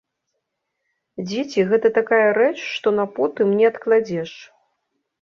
Дзеці гэта такая рэч, што на потым не адкладзеш.